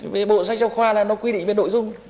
về bộ sách giáo khoa là nó quy định về nội dung